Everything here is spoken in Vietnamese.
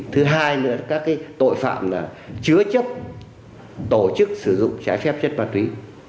thứ hai nữa là các tội phạm chứa chấp tổ chức sử dụng trái phép chất ma túy